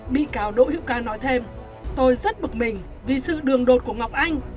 bị cáo đỗ hữu ca nói thêm tôi rất bực mình vì sự đường đột của ngọc anh